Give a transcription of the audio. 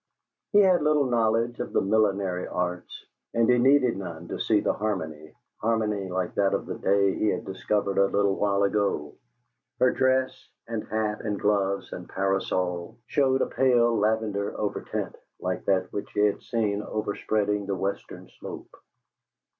He had little knowledge of the millinery arts, and he needed none to see the harmony harmony like that of the day he had discovered a little while ago. Her dress and hat and gloves and parasol showed a pale lavender overtint like that which he had seen overspreading the western slope.